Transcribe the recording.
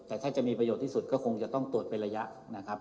แต่ถ้าจะมีประโยชน์ที่สุดก็คงจะต้องตรวจเป็นระยะนะครับ